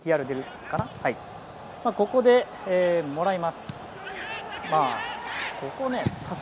ここで、もらいます。